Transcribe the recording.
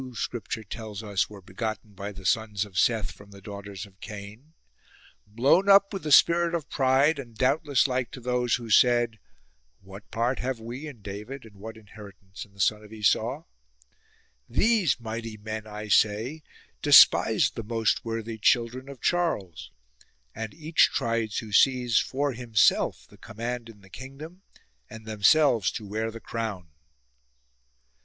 Scripture tells us, were begotten by the sons of Seth from the daughters of Cain), blown up with the spirit of pride and doubtless like to those who said, " What part have we in David and what inheritance in the son of Esau ?"— these mighty men, I say, despised the most worthy children of Charles, and each tried to seize for himself the command in the kingdom and themselves to wear the crown.